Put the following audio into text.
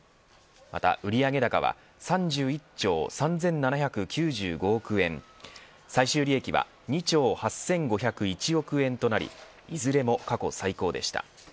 また売上高は３１兆３７９５億円最終利益は２兆８５０１億円となりいずれも過去最高でした。